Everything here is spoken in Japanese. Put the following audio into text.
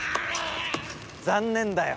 残念だよ。